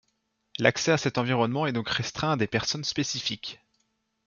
L'accès à cet environnement est donc restreint à des personnes spécifiques.